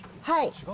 はい。